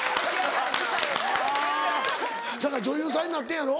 せやから女優さんになってんやろ？